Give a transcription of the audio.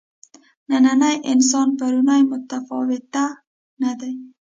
نننی انسان پروني متفاوته نه دي.